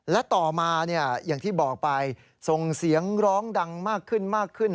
และต่อมาอย่างที่บอกไปส่งเสียงร้องดังมากขึ้นมากขึ้น